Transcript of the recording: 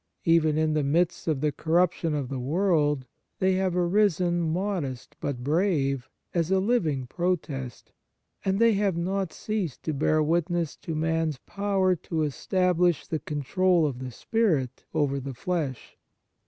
Even in the midst of the corruption of the world they have arisen, modest, but brave, as a living protest, and they have not ceased to bear witness to man's power to establish the control of the spirit over the flesh.